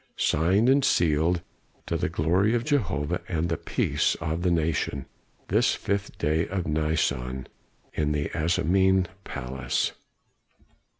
Signed and sealed, to the glory of Jehovah and the peace of the nation, this fifth day of Nisan, in the Asmonean Palace."